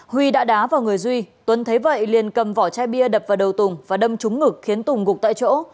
huy đã đá vào người duy tuấn thấy vậy liền cầm vỏ chai bia đập vào đầu tùng và đâm trúng ngực khiến tùng gục tại chỗ